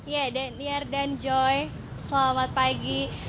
ya daniar dan joy selamat pagi